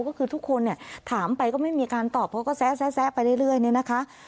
ก็คือทุกคนเนี่ยถามไปก็ไม่มีการตอบเพราะก็แซะไปเรื่อยเนี่ยนะคะ